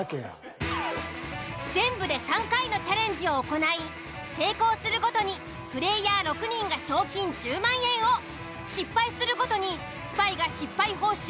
全部で３回のチャレンジを行い成功するごとにプレイヤー６人が賞金１０万円を失敗するごとにスパイが失敗報酬